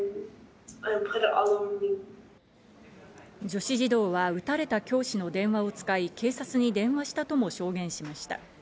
女子児童は撃たれた教師の電話を使い、警察に電話したとも証言しました。